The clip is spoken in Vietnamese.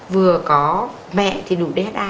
vừa có mẹ thì đủ dha